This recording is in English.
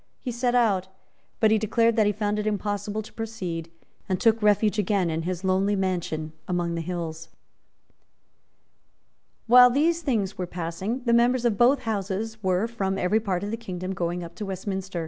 He set out, but declared that he found it impossible to proceed, and took refuge again in his lonely mansion among the hills. While these things were passing, the members of both Houses were from every part of the kingdom going up to Westminster.